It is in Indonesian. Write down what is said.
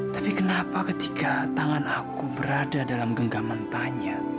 tapi kenapa ketika tangan aku berada dalam genggaman banyak